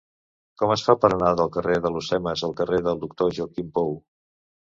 Com es fa per anar del carrer d'Alhucemas al carrer del Doctor Joaquim Pou?